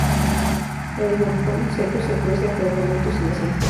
El alforfón seco se cuece a fuego lento sin aceite.